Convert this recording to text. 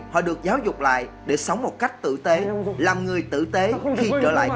tôi chôn vào cấp người